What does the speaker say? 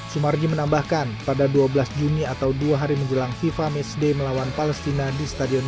sumarji menambahkan pada dua belas juni atau dua hari menjelang fifa matchday melawan palestina di stadion